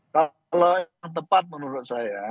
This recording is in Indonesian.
kalau yang tepat menurut saya